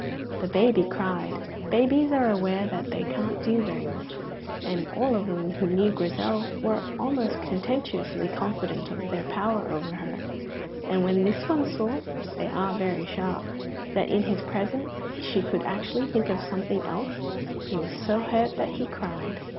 The baby cried. Babies are aware that they can't do very much; but all of them who knew Grizel were almost contemptuously confident of their power over her, and when this one saw (they are very sharp) that in his presence she could actually think of something else, he was so hurt that he cried.